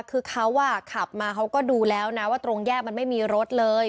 คือเขาขับมาเขาก็ดูแล้วนะว่าตรงแยกมันไม่มีรถเลย